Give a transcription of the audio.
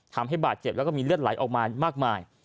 ทำให้บาดเจ็บแล้วก็มีเลือดไหลออกมามากมาย